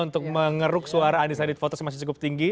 untuk mengeruk suara andi sadid fotos masih cukup tinggi